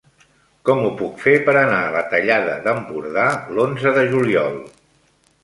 Com ho puc fer per anar a la Tallada d'Empordà l'onze de juliol?